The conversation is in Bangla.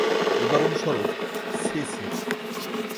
উদাহরণস্বরূপ- ছি ছি!